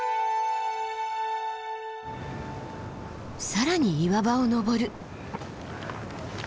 更に岩場を登る。